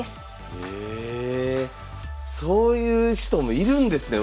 そういう人もいるんですね